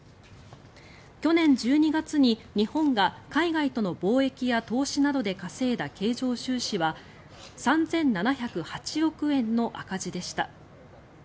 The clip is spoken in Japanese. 去年１２月に日本が海外との貿易や投資などで稼いだ経常収支は３７０８億円の赤字でした。